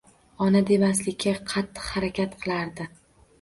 Ona demaslikka qattiq harakat qilardi.